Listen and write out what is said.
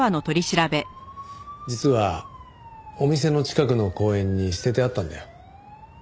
実はお店の近くの公園に捨ててあったんだよ。